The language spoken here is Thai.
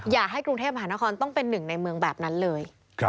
อยากให้กรุงเทพมหานครต้องเป็นหนึ่งในเมืองแบบนั้นเลย